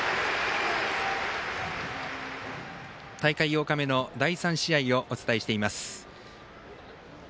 大会８日目の第３試合をお伝えします。